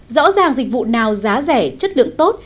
rõ ràng dịch vụ nào giá rẻ chất lượng tốt